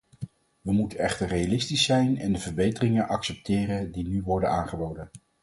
We moeten echter realistisch zijn en de verbeteringen accepteren die nu worden aangeboden.